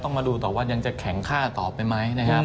มาดูต่อว่ายังจะแข็งค่าต่อไปไหมนะครับ